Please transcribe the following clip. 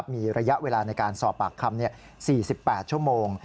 มีระยะเวลาในการสอบปากคำ๔๘ชั่วโมง